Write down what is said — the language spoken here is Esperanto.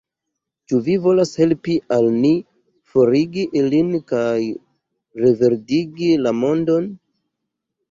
Ĉu vi volas helpi al ni forigi ilin kaj reverdigi la mondon?